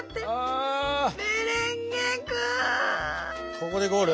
ここでゴール？